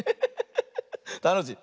たのしい。